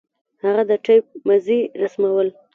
هغه د ټېپ مزي ورسمول.